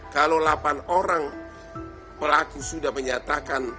kalau delapan orang pelaku sudah menyatakan